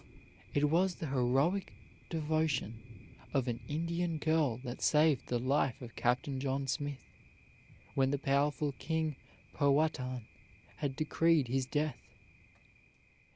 It was the heroic devotion of an Indian girl that saved the life of Captain John Smith, when the powerful King Powhatan had decreed his death.